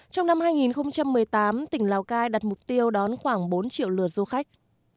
trong năm hai nghìn một mươi tám tỉnh lào cai đặt mục tiêu đón khoảng bốn triệu lượt du khách